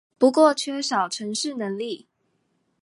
不過缺少程式能力